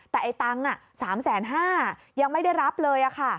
แต่ไอ้ตังค์๓๕๐๐บาทยังไม่ได้รับเลยค่ะ